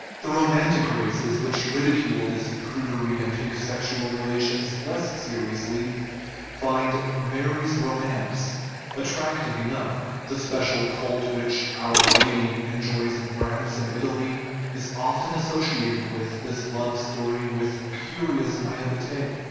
The Romantic races, which ridicule this prudery and take sexual relations less seriously, find Mary's Ro mance attractive enough ; the special cult which " Our Lady " enjoys in France and Italy is often associated with this love story with curious naivete".